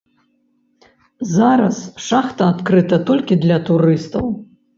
Зараз шахта адкрыта толькі для турыстаў.